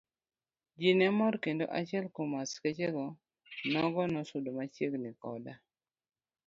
Ji ne mor kendo achiel kuom askeche nogo nosudo machiegni koda.